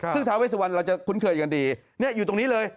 ซึ่งท้าเวสวันเราจะคุ้นเคยกันดีอยู่ตรงนี้เลย